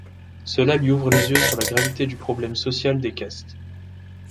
Cela lui ouvre les yeux sur la gravité du problème social des castes.